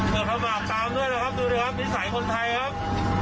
เปิดธรรมากตามด้วยนะครับดูด้วยครับนิสัยคนไทยครับ